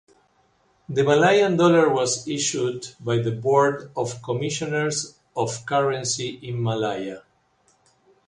The Malayan dollar was issued by the Board of Commissioners of Currency in Malaya.